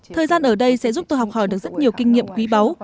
thời gian ở đây sẽ giúp tôi học hỏi được rất nhiều kinh nghiệm quý báu